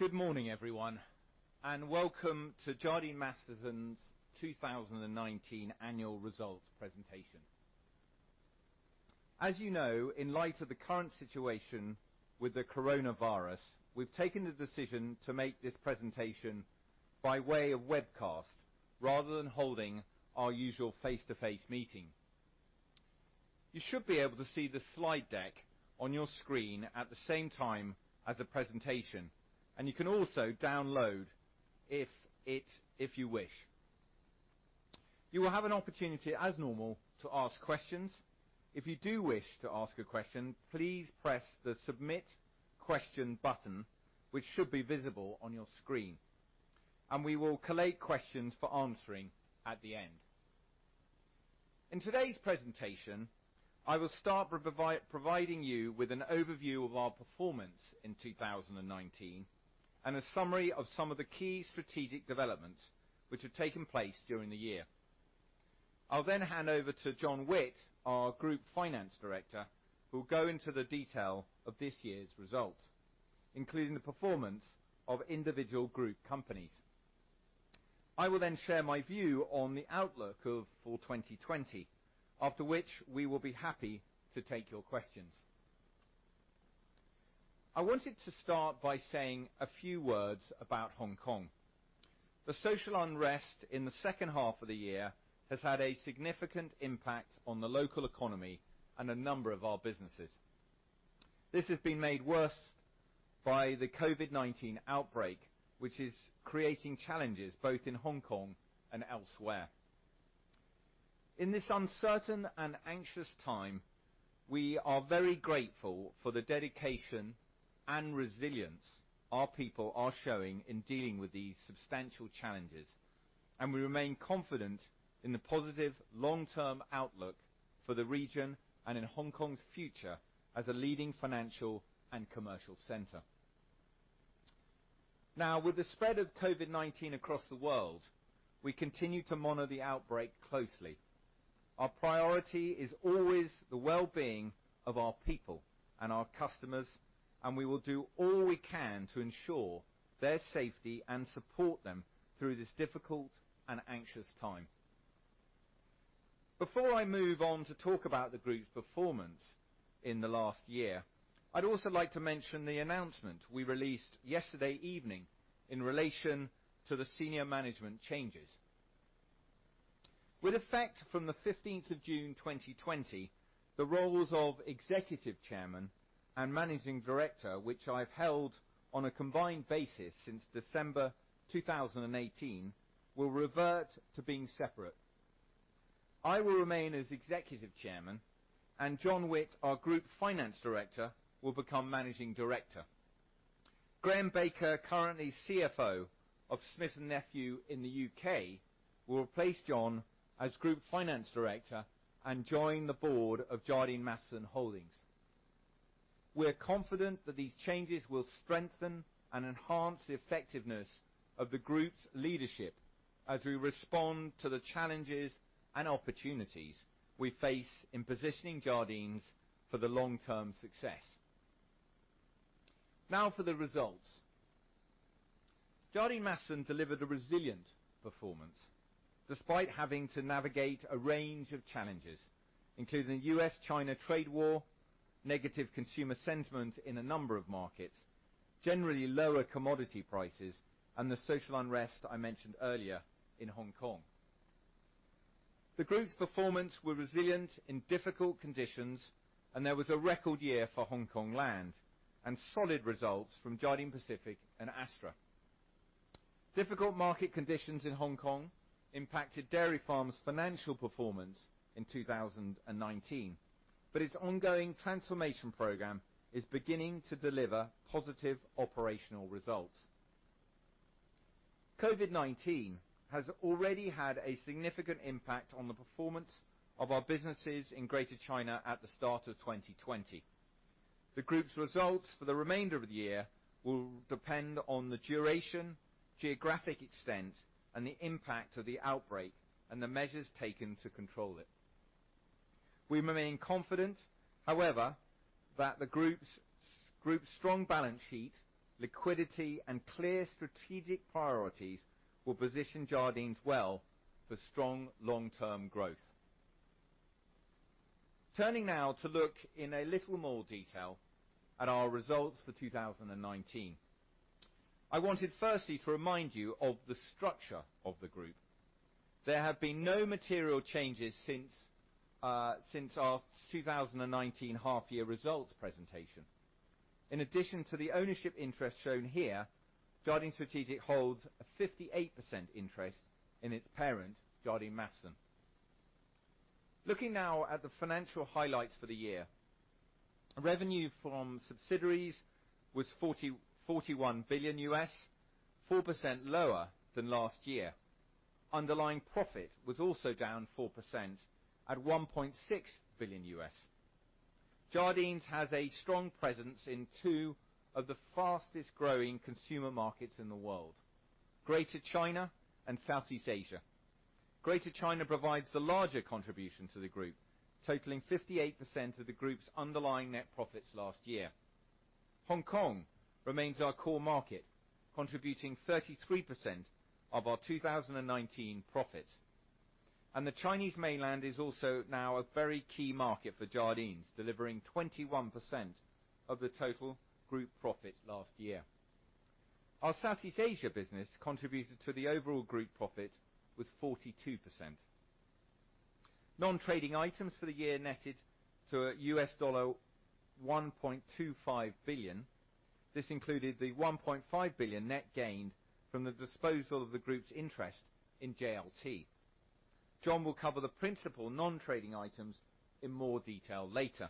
Good morning, everyone, and welcome to Jardine Matheson's 2019 annual results presentation. As you know, in light of the current situation with the coronavirus, we've taken the decision to make this presentation by way of webcast rather than holding our usual face-to-face meeting. You should be able to see the slide deck on your screen at the same time as the presentation, and you can also download it if you wish. You will have an opportunity, as normal, to ask questions. If you do wish to ask a question, please press the Submit Question button, which should be visible on your screen, and we will collate questions for answering at the end. In today's presentation, I will start by providing you with an overview of our performance in 2019 and a summary of some of the key strategic developments which have taken place during the year. I'll then hand over to John Witt, our Group Finance Director, who will go into the detail of this year's results, including the performance of individual group companies. I will then share my view on the outlook for 2020, after which we will be happy to take your questions. I wanted to start by saying a few words about Hong Kong. The social unrest in the second half of the year has had a significant impact on the local economy and a number of our businesses. This has been made worse by the COVID-19 outbreak, which is creating challenges both in Hong Kong and elsewhere. In this uncertain and anxious time, we are very grateful for the dedication and resilience our people are showing in dealing with these substantial challenges, and we remain confident in the positive long-term outlook for the region and in Hong Kong's future as a leading financial and commercial center. Now, with the spread of COVID-19 across the world, we continue to monitor the outbreak closely. Our priority is always the well-being of our people and our customers, and we will do all we can to ensure their safety and support them through this difficult and anxious time. Before I move on to talk about the group's performance in the last year, I'd also like to mention the announcement we released yesterday evening in relation to the senior management changes. With effect from the 15th of June 2020, the roles of Executive Chairman and Managing Director, which I've held on a combined basis since December 2018, will revert to being separate. I will remain as Executive Chairman, and John Witt, our Group Finance Director, will become Managing Director. Graham Baker, currently CFO of Smith & Nephew in the U.K., will replace John as Group Finance Director and join the board of Jardine Matheson Holdings. We're confident that these changes will strengthen and enhance the effectiveness of the group's leadership as we respond to the challenges and opportunities we face in positioning Jardine's for the long-term success. Now, for the results. Jardine Matheson delivered a resilient performance despite having to navigate a range of challenges, including the U.S.-China trade war, negative consumer sentiment in a number of markets, generally lower commodity prices, and the social unrest I mentioned earlier in Hong Kong. The group's performance was resilient in difficult conditions, and there was a record year for Hongkong Land and solid results from Jardine Pacific and Astra. Difficult market conditions in Hong Kong impacted Dairy Farm's financial performance in 2019, but its ongoing transformation program is beginning to deliver positive operational results. COVID-19 has already had a significant impact on the performance of our businesses in Greater China at the start of 2020. The group's results for the remainder of the year will depend on the duration, geographic extent, and the impact of the outbreak and the measures taken to control it. We remain confident, however, that the group's strong balance sheet, liquidity, and clear strategic priorities will position Jardine Matheson well for strong long-term growth. Turning now to look in a little more detail at our results for 2019, I wanted firstly to remind you of the structure of the group. There have been no material changes since our 2019 half-year results presentation. In addition to the ownership interest shown here, Jardine Strategic holds a 58% interest in its parent, Jardine Matheson. Looking now at the financial highlights for the year, revenue from subsidiaries was $41 billion, 4% lower than last year. Underlying profit was also down 4% at $1.6 billion. Jardine Matheson has a strong presence in two of the fastest-growing consumer markets in the world, Greater China and Southeast Asia. Greater China provides the larger contribution to the group, totaling 58% of the group's underlying net profits last year. Hong Kong remains our core market, contributing 33% of our 2019 profits. The Chinese mainland is also now a very key market for Jardine's, delivering 21% of the total group profit last year. Our Southeast Asia business contributed to the overall group profit with 42%. Non-trading items for the year netted to $1.25 billion. This included the $1.5 billion net gained from the disposal of the group's interest in JLT. John will cover the principal non-trading items in more detail later.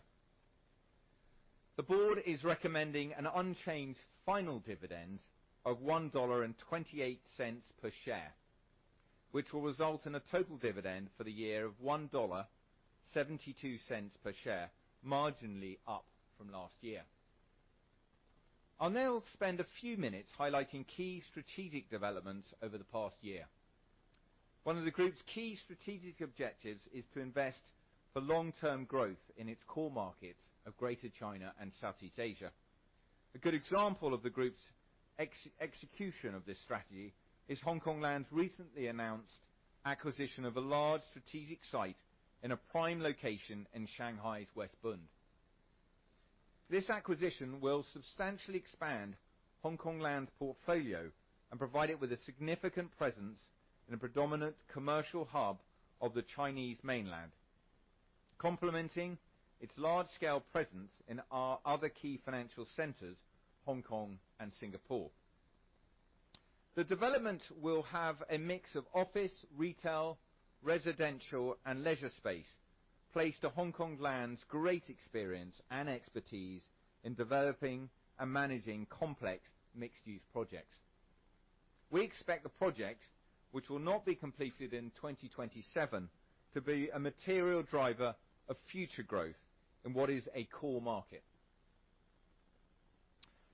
The board is recommending an unchanged final dividend of $1.28 per share, which will result in a total dividend for the year of $1.72 per share, marginally up from last year. I'll now spend a few minutes highlighting key strategic developments over the past year. One of the group's key strategic objectives is to invest for long-term growth in its core markets of Greater China and Southeast Asia. A good example of the group's execution of this strategy is Hongkong Land's recently announced acquisition of a large strategic site in a prime location in Shanghai's West Bund. This acquisition will substantially expand Hongkong Land's portfolio and provide it with a significant presence in a predominant commercial hub of the Chinese mainland, complementing its large-scale presence in our other key financial centers, Hong Kong and Singapore. The development will have a mix of office, retail, residential, and leisure space, placed to Hongkong Land's great experience and expertise in developing and managing complex mixed-use projects. We expect the project, which will not be completed in 2027, to be a material driver of future growth in what is a core market.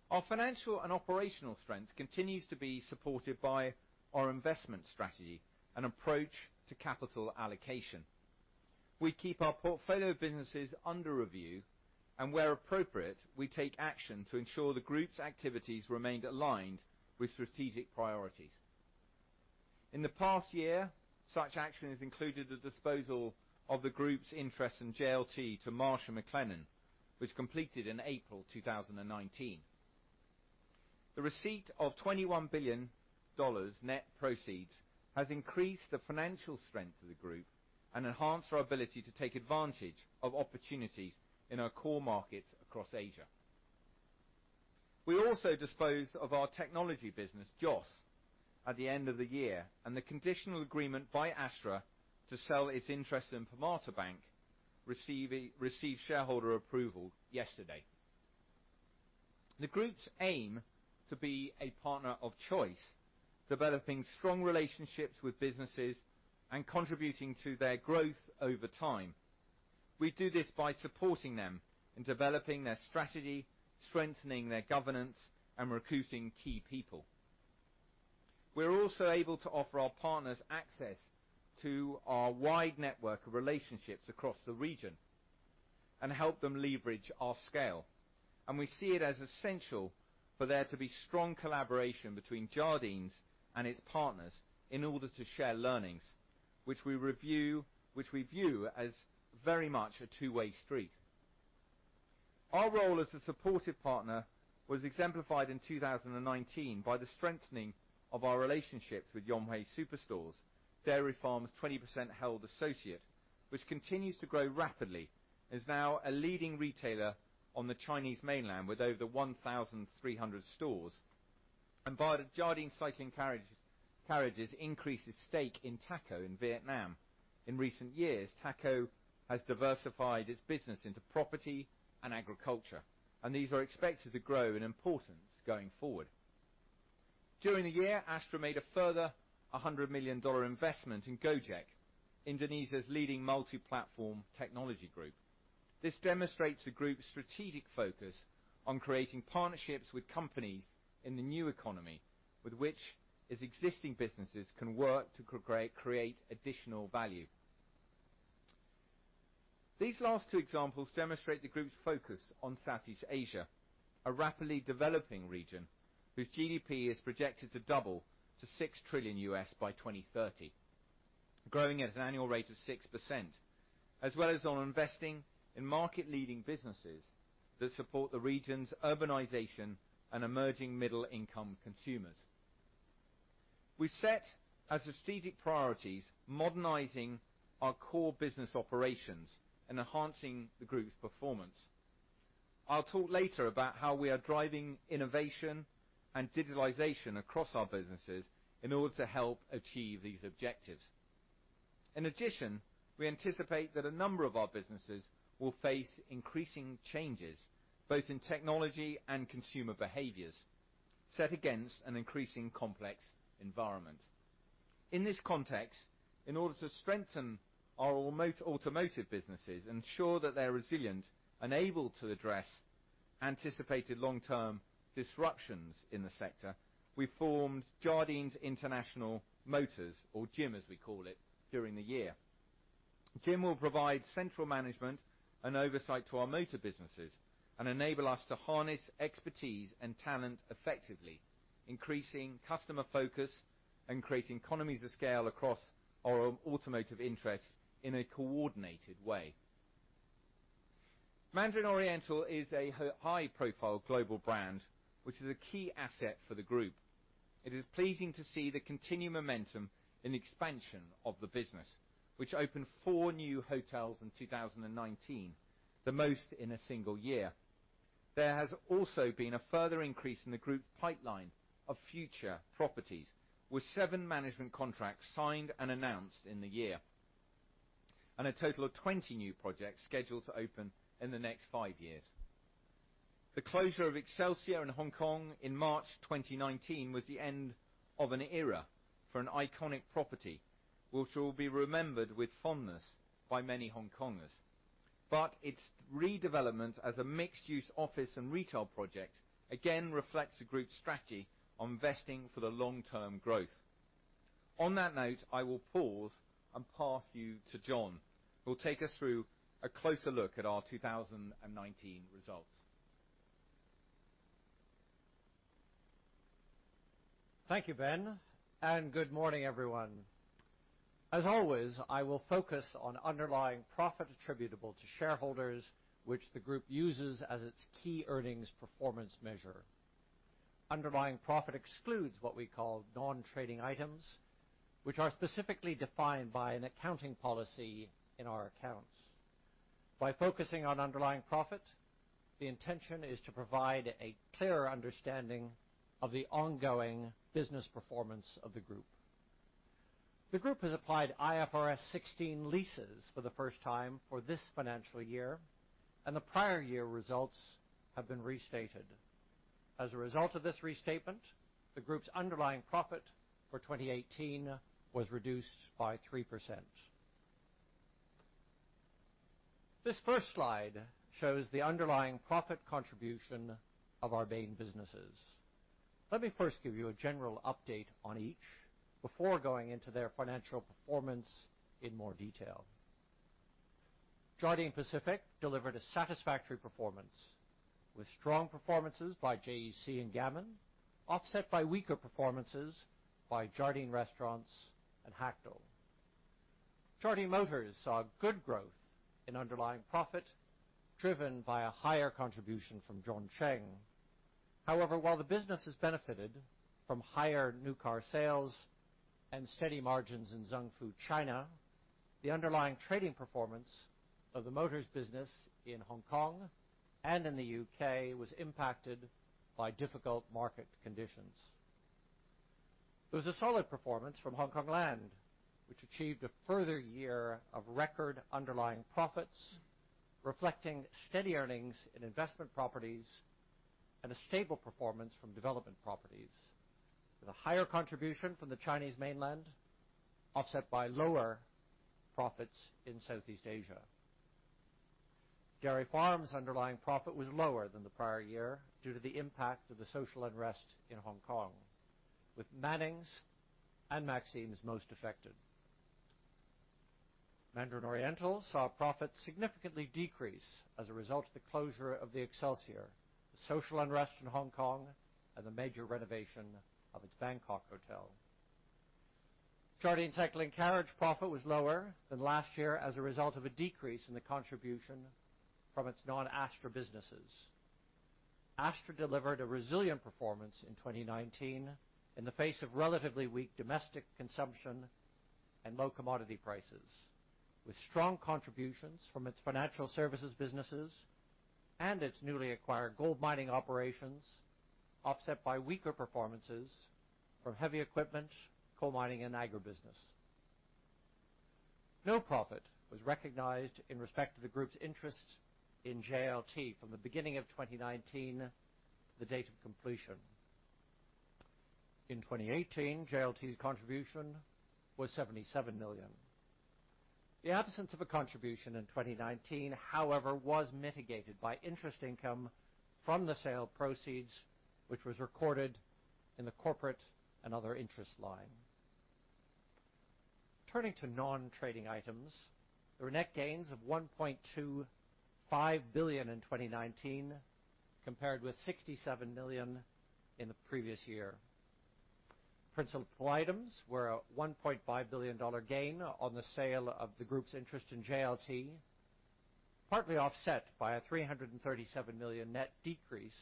Our financial and operational strength continues to be supported by our investment strategy and approach to capital allocation. We keep our portfolio of businesses under review, and where appropriate, we take action to ensure the group's activities remain aligned with strategic priorities. In the past year, such action has included the disposal of the group's interest in JLT to Marsh McLennan, which completed in April 2019. The receipt of $21 billion net proceeds has increased the financial strength of the group and enhanced our ability to take advantage of opportunities in our core markets across Asia. We also disposed of our technology business, JOS, at the end of the year, and the conditional agreement by Astra to sell its interest in Permata Bank received shareholder approval yesterday. The group's aim is to be a partner of choice, developing strong relationships with businesses and contributing to their growth over time. We do this by supporting them in developing their strategy, strengthening their governance, and recruiting key people. We are also able to offer our partners access to our wide network of relationships across the region and help them leverage our scale. We see it as essential for there to be strong collaboration between Jardine Matheson and its partners in order to share learnings, which we view as very much a two-way street. Our role as a supportive partner was exemplified in 2019 by the strengthening of our relationships with Yonghui Superstores, Dairy Farm's 20% held associate, which continues to grow rapidly and is now a leading retailer on the Chinese mainland with over 1,300 stores. While Jardine Cycle & Carriage increased its stake in THACO in Vietnam, in recent years, THACO has diversified its business into property and agriculture, and these are expected to grow in importance going forward. During the year, Astra made a further $100 million investment in Gojek, Indonesia's leading multi-platform technology group. This demonstrates the group's strategic focus on creating partnerships with companies in the new economy with which its existing businesses can work to create additional value. These last two examples demonstrate the group's focus on Southeast Asia, a rapidly developing region whose GDP is projected to double to $6 trillion by 2030, growing at an annual rate of 6%, as well as on investing in market-leading businesses that support the region's urbanization and emerging middle-income consumers. We set as strategic priorities modernizing our core business operations and enhancing the group's performance. I'll talk later about how we are driving innovation and digitalization across our businesses in order to help achieve these objectives. In addition, we anticipate that a number of our businesses will face increasing changes both in technology and consumer behaviors set against an increasingly complex environment. In this context, in order to strengthen our automotive businesses and ensure that they're resilient and able to address anticipated long-term disruptions in the sector, we formed Jardine's International Motors, or JIM as we call it, during the year. JIM will provide central management and oversight to our motor businesses and enable us to harness expertise and talent effectively, increasing customer focus and creating economies of scale across our automotive interests in a coordinated way. Mandarin Oriental is a high-profile global brand, which is a key asset for the group. It is pleasing to see the continued momentum in expansion of the business, which opened four new hotels in 2019, the most in a single year. There has also been a further increase in the group's pipeline of future properties, with seven management contracts signed and announced in the year and a total of 20 new projects scheduled to open in the next five years. The closure of Excelsior in Hong Kong in March 2019 was the end of an era for an iconic property, which will be remembered with fondness by many Hong Kongers. Its redevelopment as a mixed-use office and retail project again reflects the group's strategy on investing for the long-term growth. On that note, I will pause and pass you to John, who will take us through a closer look at our 2019 results. Thank you, Ben, and good morning, everyone. As always, I will focus on underlying profit attributable to shareholders, which the group uses as its key earnings performance measure. Underlying profit excludes what we call non-trading items, which are specifically defined by an accounting policy in our accounts. By focusing on underlying profit, the intention is to provide a clearer understanding of the ongoing business performance of the group. The group has applied IFRS 16 leases for the first time for this financial year, and the prior year results have been restated. As a result of this restatement, the group's underlying profit for 2018 was reduced by 3%. This first slide shows the underlying profit contribution of our main businesses. Let me first give you a general update on each before going into their financial performance in more detail. Jardine Pacific delivered a satisfactory performance, with strong performances by JEC and Gammon, offset by weaker performances by Jardine Restaurants and Hactl. Jardine Motors saw good growth in underlying profit, driven by a higher contribution from Zhongsheng. However, while the business has benefited from higher new car sales and steady margins in Zung Fu, China, the underlying trading performance of the Motors business in Hong Kong and in the U.K. was impacted by difficult market conditions. There was a solid performance from Hongkong Land, which achieved a further year of record underlying profits, reflecting steady earnings in investment properties and a stable performance from development properties, with a higher contribution from the Chinese mainland, offset by lower profits in Southeast Asia. Dairy Farm's underlying profit was lower than the prior year due to the impact of the social unrest in Hong Kong, with Mannings and Maxim's most affected. Mandarin Oriental saw profits significantly decrease as a result of the closure of the Excelsior, the social unrest in Hong Kong, and the major renovation of its Bangkok hotel. Jardine Cycle & Carriage profit was lower than last year as a result of a decrease in the contribution from its non-Astra businesses. Astra delivered a resilient performance in 2019 in the face of relatively weak domestic consumption and low commodity prices, with strong contributions from its financial services businesses and its newly acquired gold mining operations, offset by weaker performances from heavy equipment, coal mining, and agribusiness. No profit was recognized in respect to the group's interest in JLT from the beginning of 2019 to the date of completion. In 2018, JLT's contribution was $77 million. The absence of a contribution in 2019, however, was mitigated by interest income from the sale of proceeds, which was recorded in the corporate and other interest line. Turning to non-trading items, there were net gains of $1.25 billion in 2019, compared with $67 million in the previous year. Principal items were a $1.5 billion gain on the sale of the group's interest in JLT, partly offset by a $337 million net decrease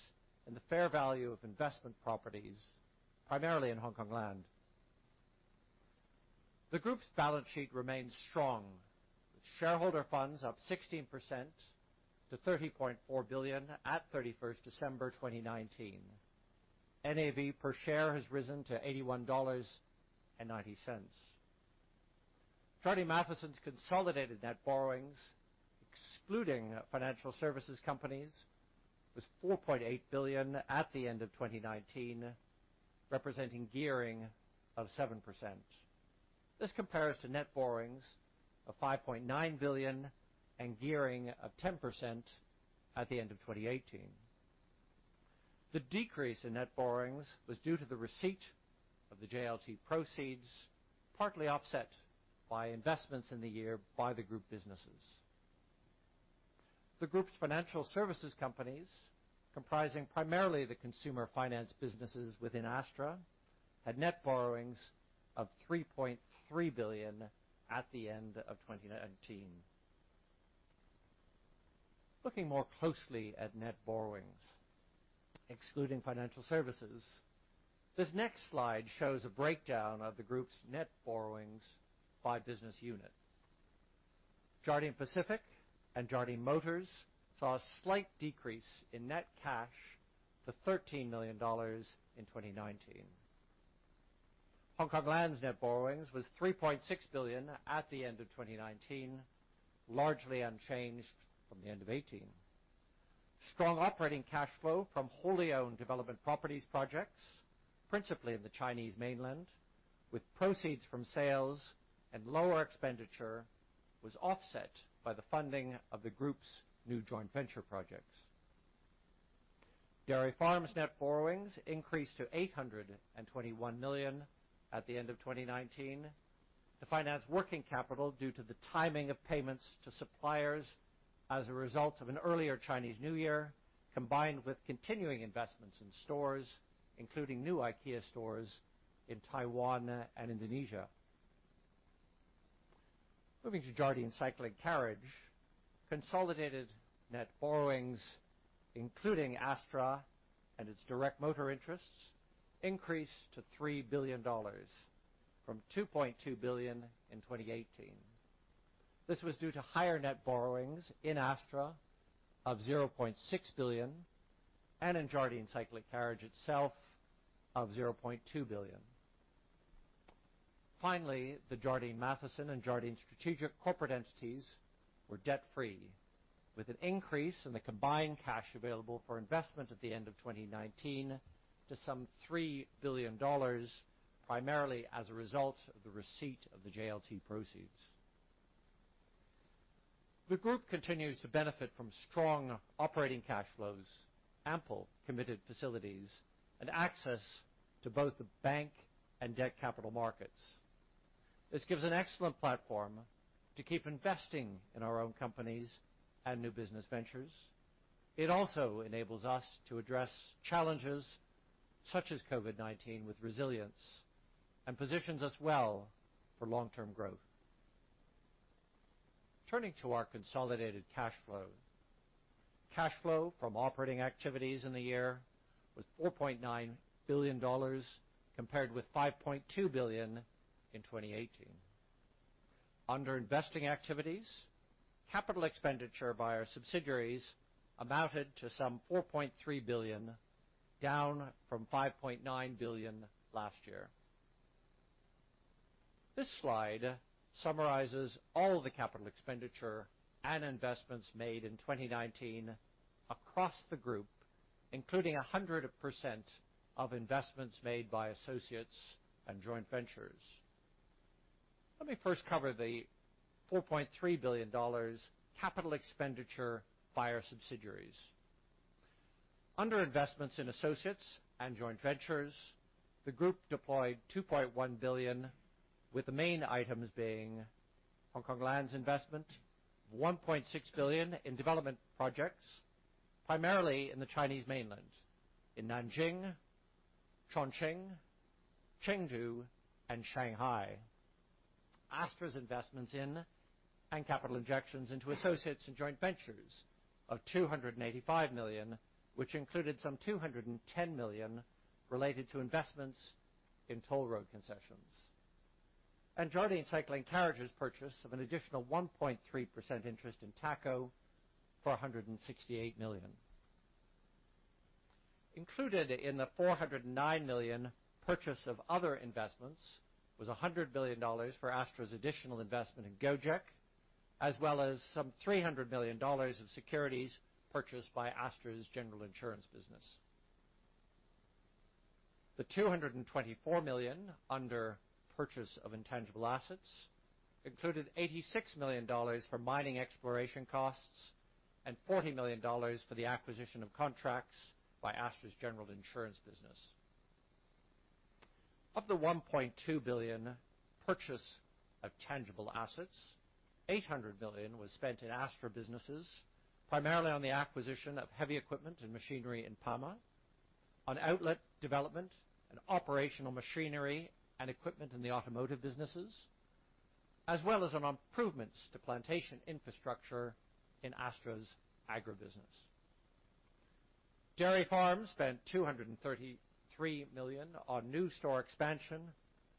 in the fair value of investment properties, primarily in Hongkong Land. The group's balance sheet remains strong, with shareholder funds up 16% to $30.4 billion at 31st December 2019. NAV per share has risen to $81.90. Jardine Matheson's consolidated net borrowings, excluding financial services companies, was $4.8 billion at the end of 2019, representing gearing of 7%. This compares to net borrowings of $5.9 billion and gearing of 10% at the end of 2018. The decrease in net borrowings was due to the receipt of the JLT proceeds, partly offset by investments in the year by the group businesses. The group's financial services companies, comprising primarily the consumer finance businesses within Astra, had net borrowings of $3.3 billion at the end of 2019. Looking more closely at net borrowings, excluding financial services, this next slide shows a breakdown of the group's net borrowings by business unit. Jardine Pacific and Jardine Motors saw a slight decrease in net cash to $13 million in 2019. Hongkong Land's net borrowings was $3.6 billion at the end of 2019, largely unchanged from the end of 2018. Strong operating cash flow from wholly owned development properties projects, principally in the Chinese mainland, with proceeds from sales and lower expenditure, was offset by the funding of the group's new joint venture projects. Dairy Farm's net borrowings increased to $821 million at the end of 2019 to finance working capital due to the timing of payments to suppliers as a result of an earlier Chinese New Year, combined with continuing investments in stores, including new IKEA stores in Taiwan and Indonesia. Moving to Jardine Cycle & Carriage, consolidated net borrowings, including Astra and its direct motor interests, increased to $3 billion from $2.2 billion in 2018. This was due to higher net borrowings in Astra of $0.6 billion and in Jardine Cycle & Carriage itself of $0.2 billion. Finally, the Jardine Matheson and Jardine Strategic corporate entities were debt-free, with an increase in the combined cash available for investment at the end of 2019 to some $3 billion, primarily as a result of the receipt of the JLT proceeds. The group continues to benefit from strong operating cash flows, ample committed facilities, and access to both the bank and debt capital markets. This gives an excellent platform to keep investing in our own companies and new business ventures. It also enables us to address challenges such as COVID-19 with resilience and positions us well for long-term growth. Turning to our consolidated cash flow, cash flow from operating activities in the year was $4.9 billion, compared with $5.2 billion in 2018. Under investing activities, capital expenditure by our subsidiaries amounted to some $4.3 billion, down from $5.9 billion last year. This slide summarizes all the capital expenditure and investments made in 2019 across the group, including 100% of investments made by associates and joint ventures. Let me first cover the $4.3 billion capital expenditure by our subsidiaries. Under investments in associates and joint ventures, the group deployed $2.1 billion, with the main items being Hongkong Land's investment of $1.6 billion in development projects, primarily in the Chinese mainland, in Nanjing, Chongqing, Chengdu, and Shanghai. Astra's investments in and capital injections into associates and joint ventures of $285 million, which included some $210 million related to investments in toll road concessions. Jardine Cycle & Carriage's purchase of an additional 1.3% interest in THACO for $168 million. Included in the $409 million purchase of other investments was $100 million for Astra's additional investment in Gojek, as well as some $300 million of securities purchased by Astra's general insurance business. The $224 million under purchase of intangible assets included $86 million for mining exploration costs and $40 million for the acquisition of contracts by Astra's general insurance business. Of the $1.2 billion purchase of tangible assets, $800 million was spent in Astra businesses, primarily on the acquisition of heavy equipment and machinery in PAMA, on outlet development and operational machinery and equipment in the automotive businesses, as well as on improvements to plantation infrastructure in Astra's agribusiness. Dairy Farm spent $233 million on new store expansion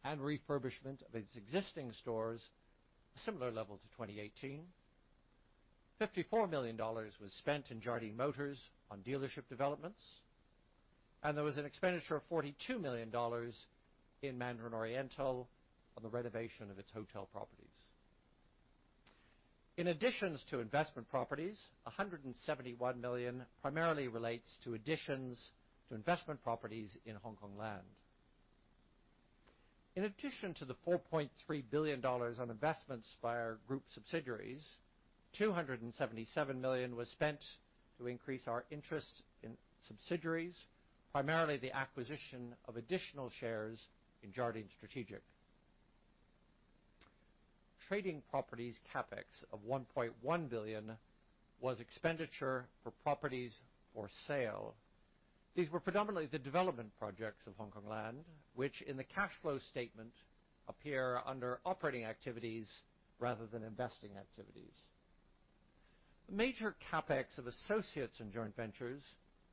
and refurbishment of its existing stores, a similar level to 2018. $54 million was spent in Jardine Motors on dealership developments, and there was an expenditure of $42 million in Mandarin Oriental on the renovation of its hotel properties. In additions to investment properties, $171 million primarily relates to additions to investment properties in Hongkong Land. In addition to the $4.3 billion on investments by our group subsidiaries, $277 million was spent to increase our interest in subsidiaries, primarily the acquisition of additional shares in Jardine Strategic. Trading properties CapEx of $1.1 billion was expenditure for properties for sale. These were predominantly the development projects of Hongkong Land, which in the cash flow statement appear under operating activities rather than investing activities. Major CapEx of associates and joint ventures,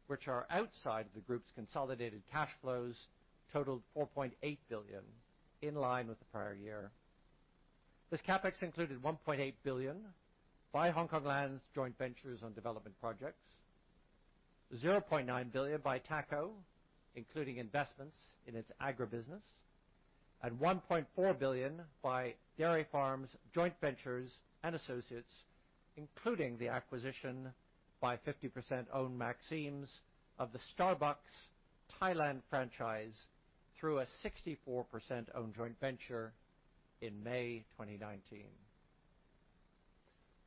which are outside of the group's consolidated cash flows, totaled $4.8 billion, in line with the prior year. This CapEx included $1.8 billion by Hongkong Land's joint ventures on development projects, $900 million by THACO, including investments in its agribusiness, and $1.4 billion by Dairy Farm's joint ventures and associates, including the acquisition by 50% owned Maxim's of the Starbucks Thailand franchise through a 64% owned joint venture in May 2019.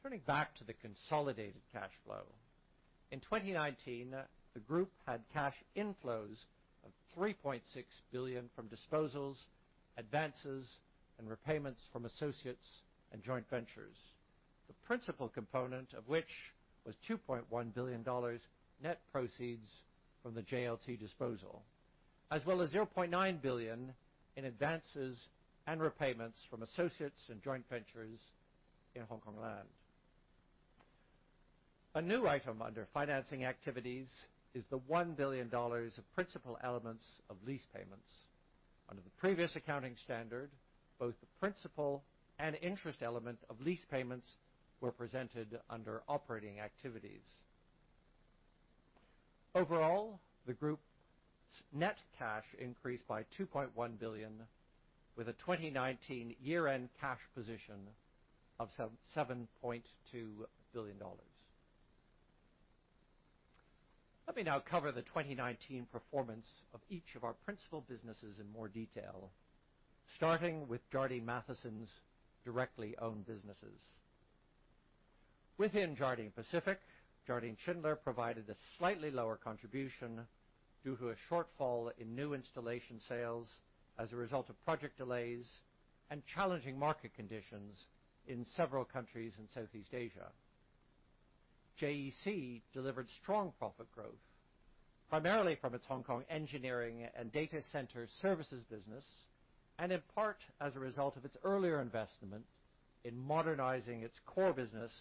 Turning back to the consolidated cash flow, in 2019, the group had cash inflows of $3.6 billion from disposals, advances, and repayments from associates and joint ventures, the principal component of which was $2.1 billion net proceeds from the JLT disposal, as well as $900 million in advances and repayments from associates and joint ventures in Hongkong Land. A new item under financing activities is the $1 billion of principal elements of lease payments. Under the previous accounting standard, both the principal and interest element of lease payments were presented under operating activities. Overall, the group's net cash increased by $2.1 billion, with a 2019 year-end cash position of $7.2 billion. Let me now cover the 2019 performance of each of our principal businesses in more detail, starting with Jardine Matheson's directly owned businesses. Within Jardine Pacific, Jardine Schindler provided a slightly lower contribution due to a shortfall in new installation sales as a result of project delays and challenging market conditions in several countries in Southeast Asia. JEC delivered strong profit growth, primarily from its Hong Kong engineering and data center services business, and in part as a result of its earlier investment in modernizing its core business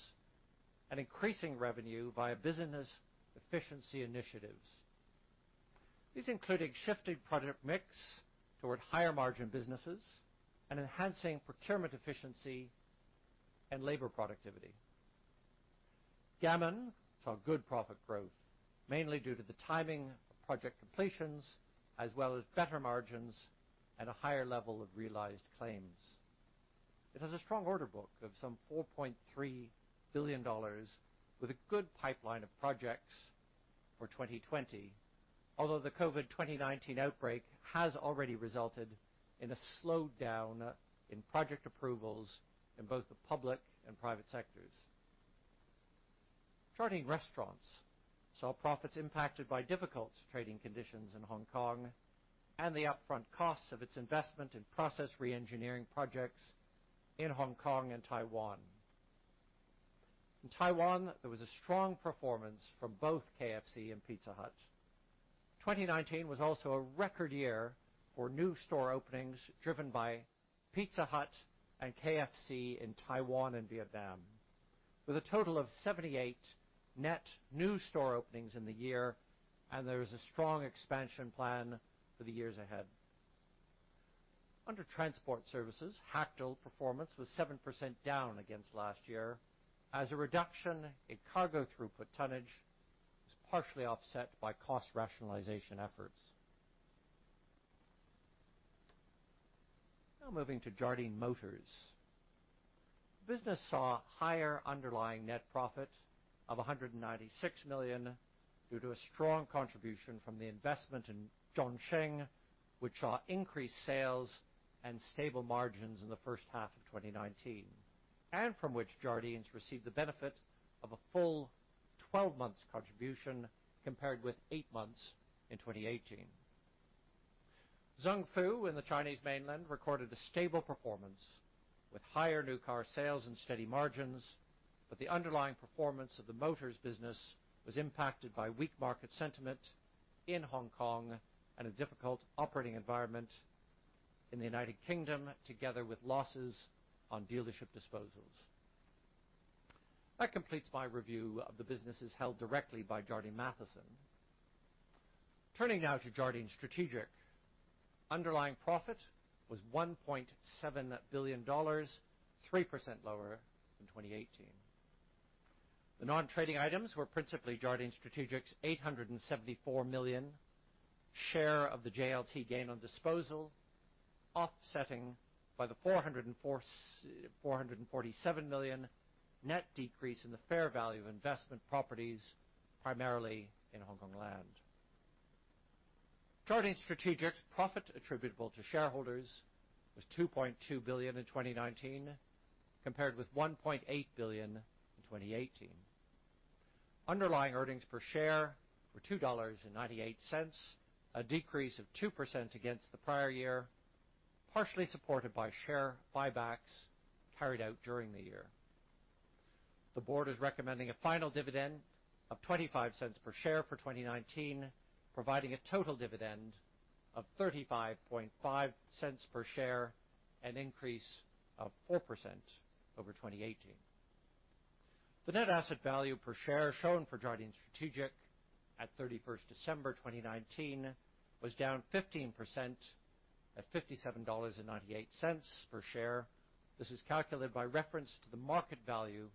and increasing revenue via business efficiency initiatives. These included shifting product mix toward higher-margin businesses and enhancing procurement efficiency and labor productivity. Gammon saw good profit growth, mainly due to the timing of project completions, as well as better margins and a higher level of realized claims. It has a strong order book of some $4.3 billion, with a good pipeline of projects for 2020, although the COVID-19 outbreak has already resulted in a slowdown in project approvals in both the public and private sectors. Jardine Restaurants saw profits impacted by difficult trading conditions in Hong Kong and the upfront costs of its investment in process re-engineering projects in Hong Kong and Taiwan. In Taiwan, there was a strong performance from both KFC and Pizza Hut. 2019 was also a record year for new store openings driven by Pizza Hut and KFC in Taiwan and Vietnam, with a total of 78 net new store openings in the year, and there is a strong expansion plan for the years ahead. Under transport services, Hactl performance was 7% down against last year, as a reduction in cargo throughput tonnage was partially offset by cost rationalization efforts. Now moving to Jardine Motors. The business saw higher underlying net profit of $196 million due to a strong contribution from the investment in Chongqing, which saw increased sales and stable margins in the first half of 2019, and from which Jardine's received the benefit of a full 12-month contribution compared with 8 months in 2018. Zung Fu in the Chinese mainland recorded a stable performance with higher new car sales and steady margins, but the underlying performance of the motors business was impacted by weak market sentiment in Hong Kong and a difficult operating environment in the United Kingdom, together with losses on dealership disposals. That completes my review of the businesses held directly by Jardine Matheson. Turning now to Jardine Strategic, underlying profit was $1.7 billion, 3% lower than 2018. The non-trading items were principally Jardine Strategic's $874 million share of the JLT gain on disposal, offsetting by the $447 million net decrease in the fair value of investment properties, primarily in Hongkong Land. Jardine Strategic's profit attributable to shareholders was $2.2 billion in 2019, compared with $1.8 billion in 2018. Underlying earnings per share were $2.98, a decrease of 2% against the prior year, partially supported by share buybacks carried out during the year. The board is recommending a final dividend of $0.25 per share for 2019, providing a total dividend of $0.355 per share, an increase of 4% over 2018. The net asset value per share shown for Jardine Strategic at 31st December 2019 was down 15% at $57.98 per share. This is calculated by reference to the market value of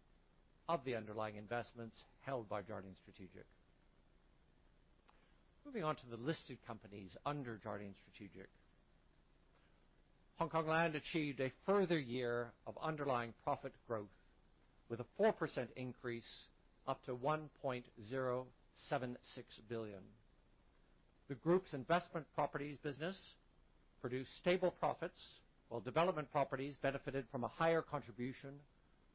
the underlying investments held by Jardine Strategic. Moving on to the listed companies under Jardine Strategic. Hongkong Land achieved a further year of underlying profit growth, with a 4% increase up to $1.076 billion. The group's investment properties business produced stable profits, while development properties benefited from a higher contribution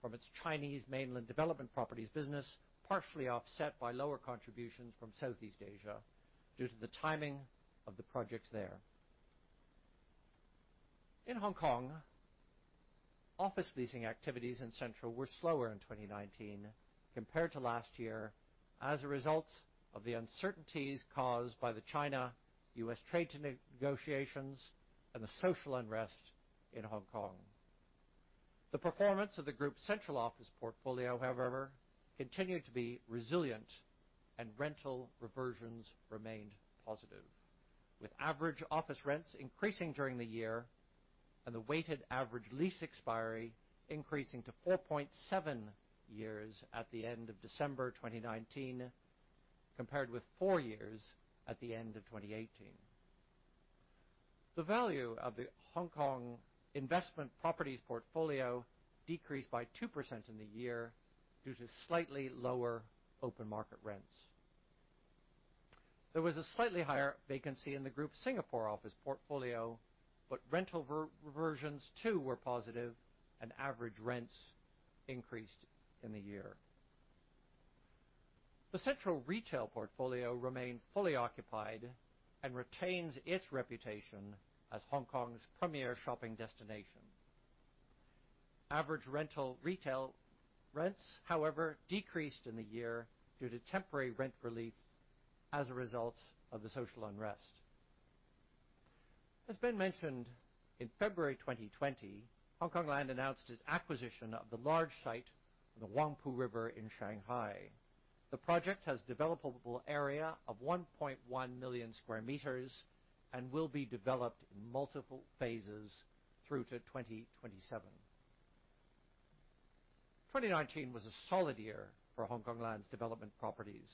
from its Chinese mainland development properties business, partially offset by lower contributions from Southeast Asia due to the timing of the projects there. In Hong Kong, office leasing activities in Central were slower in 2019 compared to last year as a result of the uncertainties caused by the China-U.S. trade negotiations and the social unrest in Hong Kong. The performance of the group's central office portfolio, however, continued to be resilient, and rental reversions remained positive, with average office rents increasing during the year and the weighted average lease expiry increasing to 4.7 years at the end of December 2019, compared with 4 years at the end of 2018. The value of the Hong Kong investment properties portfolio decreased by 2% in the year due to slightly lower open market rents. There was a slightly higher vacancy in the group's Singapore office portfolio, but rental reversions too were positive, and average rents increased in the year. The central retail portfolio remained fully occupied and retains its reputation as Hong Kong's premier shopping destination. Average retail rents, however, decreased in the year due to temporary rent relief as a result of the social unrest. As Ben mentioned, in February 2020, Hong Kong Land announced its acquisition of the large site on the Huangpu River in Shanghai. The project has a developable area of 1.1 million sq m and will be developed in multiple phases through to 2027. 2019 was a solid year for Hongkong Land's development properties.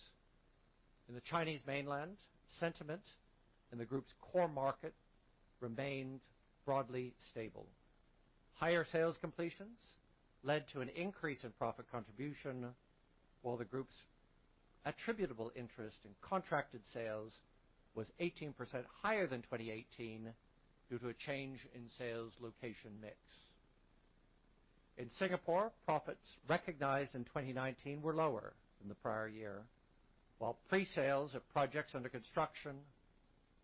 In the Chinese mainland, sentiment in the group's core market remained broadly stable. Higher sales completions led to an increase in profit contribution, while the group's attributable interest in contracted sales was 18% higher than 2018 due to a change in sales location mix. In Singapore, profits recognized in 2019 were lower than the prior year, while pre-sales of projects under construction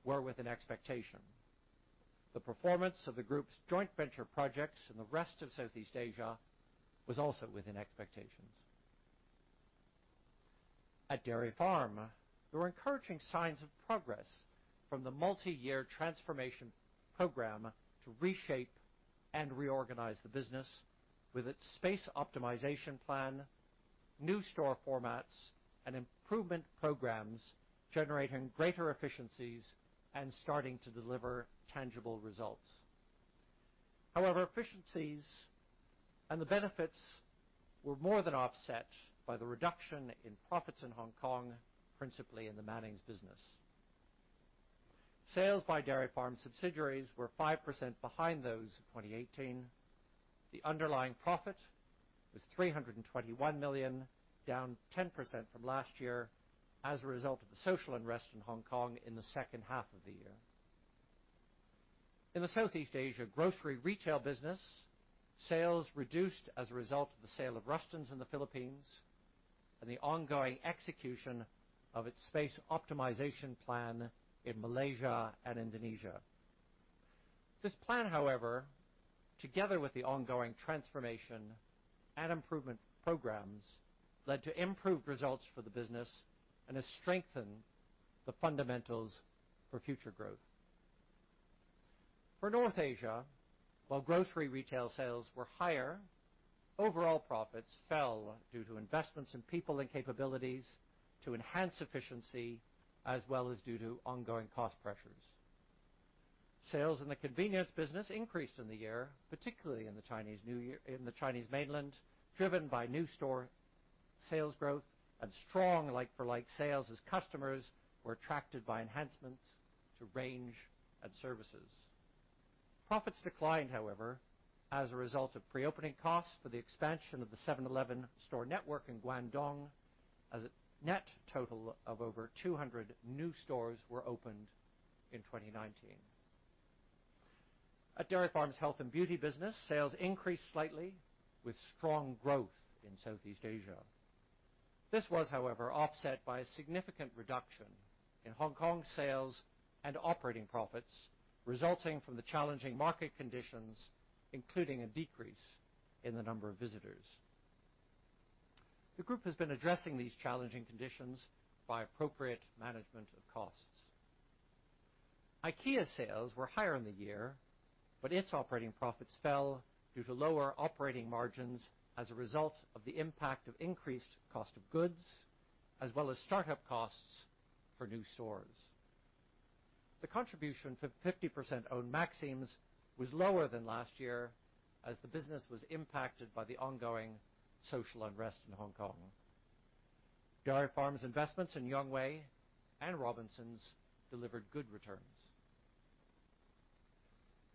were within expectation. The performance of the group's joint venture projects in the rest of Southeast Asia was also within expectations. At Dairy Farm, there were encouraging signs of progress from the multi-year transformation program to reshape and reorganize the business with its space optimization plan, new store formats, and improvement programs generating greater efficiencies and starting to deliver tangible results. However, efficiencies and the benefits were more than offset by the reduction in profits in Hong Kong, principally in the Manning's business. Sales by Dairy Farm subsidiaries were 5% behind those of 2018. The underlying profit was $321 million, down 10% from last year as a result of the social unrest in Hong Kong in the second half of the year. In the Southeast Asia grocery retail business, sales reduced as a result of the sale of Rustan's in the Philippines and the ongoing execution of its space optimization plan in Malaysia and Indonesia. This plan, however, together with the ongoing transformation and improvement programs, led to improved results for the business and strengthened fundamentals for future growth. For North Asia, while grocery retail sales were higher, overall profits fell due to investments in people and capabilities to enhance efficiency, as well as due to ongoing cost pressures. Sales in the convenience business increased in the year, particularly in the Chinese mainland, driven by new store sales growth and strong like-for-like sales as customers were attracted by enhancements to range and services. Profits declined, however, as a result of pre-opening costs for the expansion of the 7-Eleven store network in Guangdong, as a net total of over 200 new stores were opened in 2019. At Dairy Farm's health and beauty business, sales increased slightly with strong growth in Southeast Asia. This was, however, offset by a significant reduction in Hong Kong's sales and operating profits resulting from the challenging market conditions, including a decrease in the number of visitors. The group has been addressing these challenging conditions by appropriate management of costs. IKEA's sales were higher in the year, but its operating profits fell due to lower operating margins as a result of the impact of increased cost of goods, as well as startup costs for new stores. The contribution for 50% owned Maxim's was lower than last year as the business was impacted by the ongoing social unrest in Hong Kong. Dairy Farm's investments in Yonghui and Robinson's delivered good returns.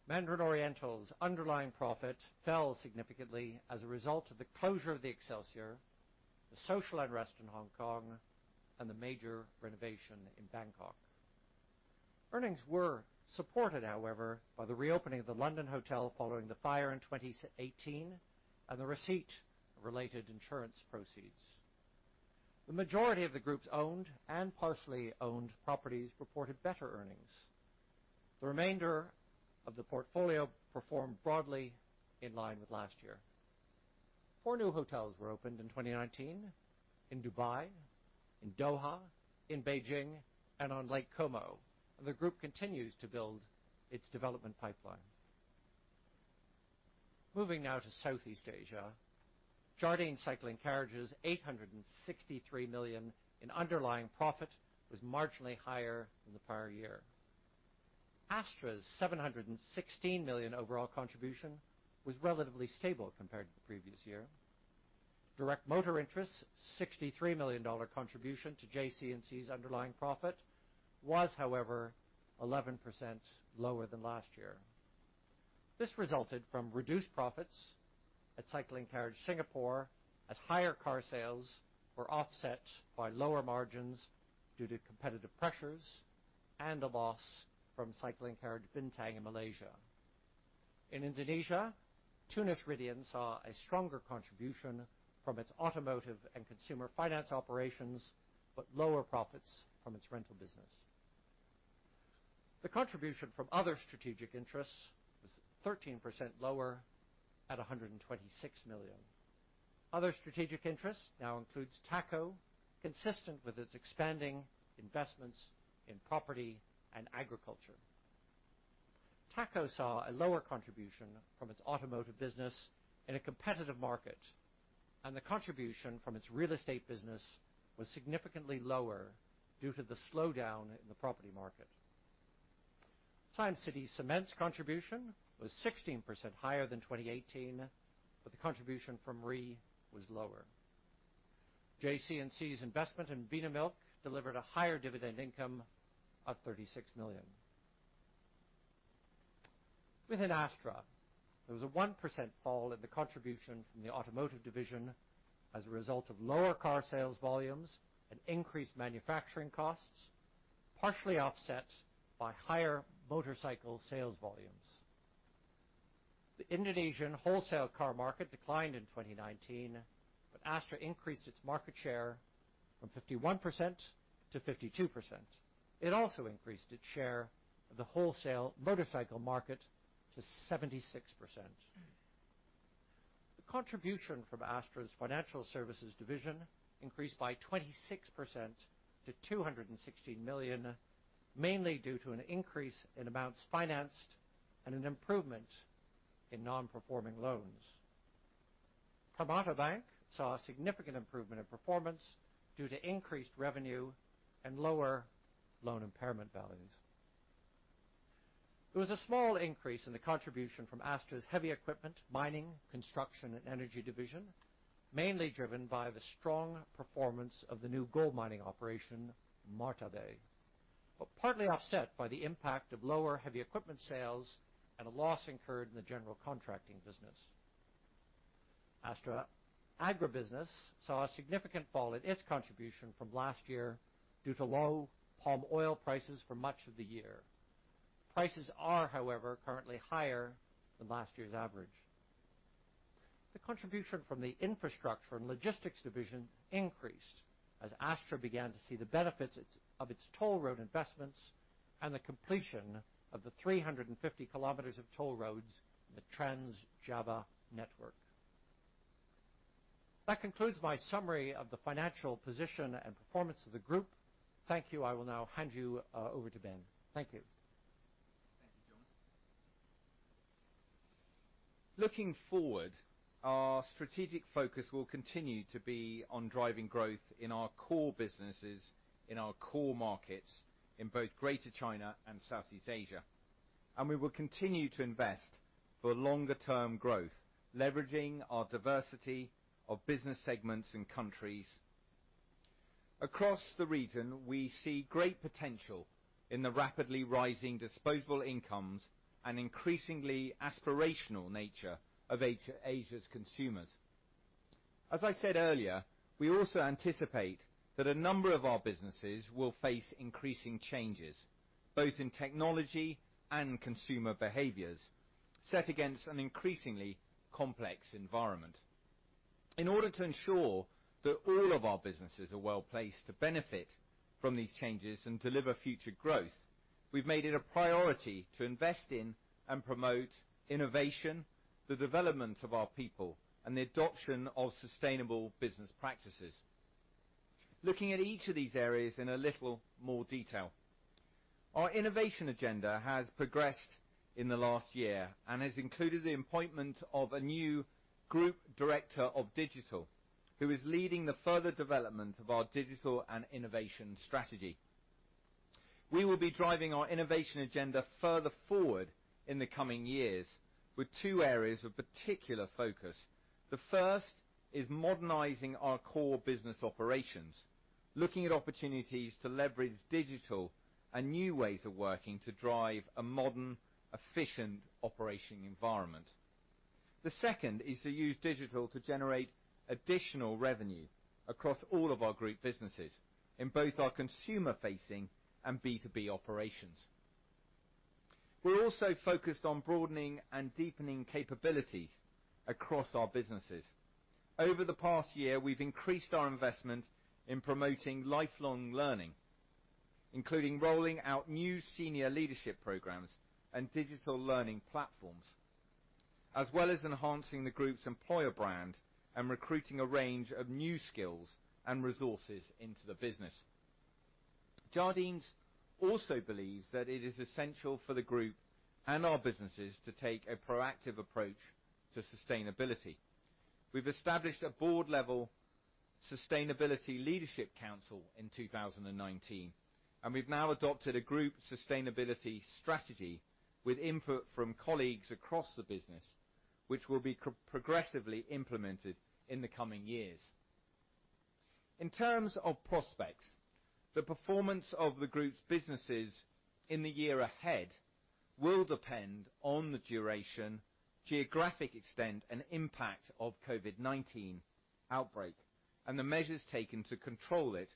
Mandarin Oriental's underlying profit fell significantly as a result of the closure of the Excelsior, the social unrest in Hong Kong, and the major renovation in Bangkok. Earnings were supported, however, by the reopening of the London hotel following the fire in 2018 and the receipt of related insurance proceeds. The majority of the group's owned and partially owned properties reported better earnings. The remainder of the portfolio performed broadly in line with last year. Four new hotels were opened in 2019 in Dubai, in Doha, in Beijing, and on Lake Como, and the group continues to build its development pipeline. Moving now to Southeast Asia, Jardine Cycle & Carriage's $863 million in underlying profit was marginally higher than the prior year. Astra's $716 million overall contribution was relatively stable compared to the previous year. Direct Motor Interests' $63 million contribution to JC&C's underlying profit was, however, 11% lower than last year. This resulted from reduced profits at Cycle & Carriage Singapore as higher car sales were offset by lower margins due to competitive pressures and a loss from Cycle & Carriage Bintang in Malaysia. In Indonesia, Tunas Ridean saw a stronger contribution from its automotive and consumer finance operations but lower profits from its rental business. The contribution from other strategic interests was 13% lower at $126 million. Other strategic interests now include THACO, consistent with its expanding investments in property and agriculture. THACO saw a lower contribution from its automotive business in a competitive market, and the contribution from its real estate business was significantly lower due to the slowdown in the property market. Siam City Cement's contribution was 16% higher than 2018, but the contribution from REE was lower. JC&C's investment in Vinamilk delivered a higher dividend income of $36 million. Within Astra, there was a 1% fall in the contribution from the automotive division as a result of lower car sales volumes and increased manufacturing costs, partially offset by higher motorcycle sales volumes. The Indonesian wholesale car market declined in 2019, but Astra increased its market share from 51%-52%. It also increased its share of the wholesale motorcycle market to 76%. The contribution from Astra's financial services division increased by 26% to $216 million, mainly due to an increase in amounts financed and an improvement in non-performing loans. Permata Bank saw a significant improvement in performance due to increased revenue and lower loan impairment values. There was a small increase in the contribution from Astra's heavy equipment, mining, construction, and energy division, mainly driven by the strong performance of the new gold mining operation, Martabe, but partly offset by the impact of lower heavy equipment sales and a loss incurred in the general contracting business. Astra Agribusiness saw a significant fall in its contribution from last year due to low palm oil prices for much of the year. Prices are, however, currently higher than last year's average. The contribution from the infrastructure and logistics division increased as Astra began to see the benefits of its toll road investments and the completion of the 350 km of toll roads in the Trans Java network. That concludes my summary of the financial position and performance of the group. Thank you. I will now hand you over to Ben. Thank you. Thank you, John. Looking forward, our strategic focus will continue to be on driving growth in our core businesses, in our core markets in both Greater China and Southeast Asia, and we will continue to invest for longer-term growth, leveraging our diversity of business segments and countries. Across the region, we see great potential in the rapidly rising disposable incomes and increasingly aspirational nature of Asia's consumers. As I said earlier, we also anticipate that a number of our businesses will face increasing changes, both in technology and consumer behaviors, set against an increasingly complex environment. In order to ensure that all of our businesses are well placed to benefit from these changes and deliver future growth, we've made it a priority to invest in and promote innovation, the development of our people, and the adoption of sustainable business practices. Looking at each of these areas in a little more detail, our innovation agenda has progressed in the last year and has included the appointment of a new Group Director of Digital, who is leading the further development of our digital and innovation strategy. We will be driving our innovation agenda further forward in the coming years with two areas of particular focus. The first is modernizing our core business operations, looking at opportunities to leverage digital and new ways of working to drive a modern, efficient operating environment. The second is to use digital to generate additional revenue across all of our group businesses in both our consumer-facing and B2B operations. We're also focused on broadening and deepening capabilities across our businesses. Over the past year, we've increased our investment in promoting lifelong learning, including rolling out new senior leadership programs and digital learning platforms, as well as enhancing the group's employer brand and recruiting a range of new skills and resources into the business. Jardine's also believes that it is essential for the group and our businesses to take a proactive approach to sustainability. We've established a board-level sustainability leadership council in 2019, and we've now adopted a group sustainability strategy with input from colleagues across the business, which will be progressively implemented in the coming years. In terms of prospects, the performance of the group's businesses in the year ahead will depend on the duration, geographic extent, and impact of the COVID-19 outbreak and the measures taken to control it.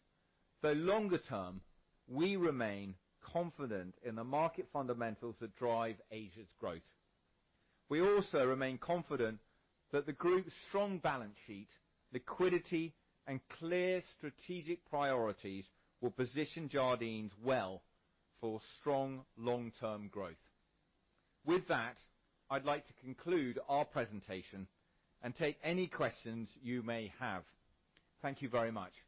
For the longer term, we remain confident in the market fundamentals that drive Asia's growth. We also remain confident that the group's strong balance sheet, liquidity, and clear strategic priorities will position Jardine Matheson well for strong long-term growth. With that, I'd like to conclude our presentation and take any questions you may have. Thank you very much.